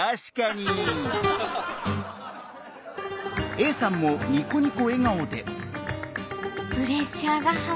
Ａさんもニコニコ笑顔で。